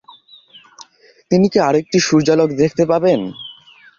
তিনি কি আরেকটি সূর্যালোক দেখতে পাবেন?